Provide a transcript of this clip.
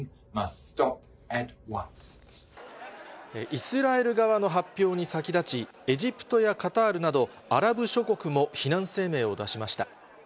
イスラエル側の発表に先立ち、エジプトやカタールなど、アラブ諸国も非難声明を出しました。